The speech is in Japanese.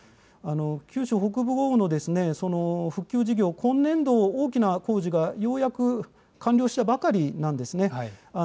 九州北部豪雨の復旧事業、今年度、大きな工事がようやく完了したばかりなんですね。